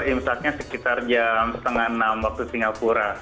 imsaknya sekitar jam setengah enam waktu singapura